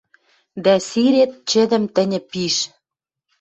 Дӓ сирет чӹдӹм тӹньӹ пиш.